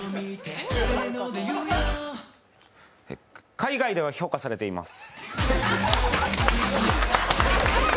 海外では評価されています。